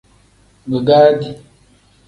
Bigaadi.